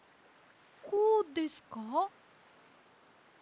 こうですか？